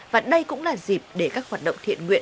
và đây cũng là dịp để các hoạt động thiện nguyện